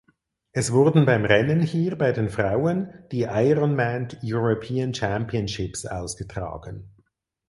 Es wurden beim Rennen hier bei den Frauen die "Ironman European Championships" ausgetragen.